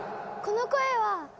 この声は。